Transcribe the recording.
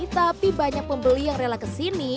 tapi banyak pembeli yang rela kesini